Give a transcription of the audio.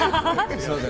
すみません。